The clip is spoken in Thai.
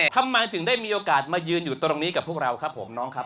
ทำไมถึงได้มีโอกาสมายืนอยู่ตรงนี้กับพวกเราครับผมน้องครับ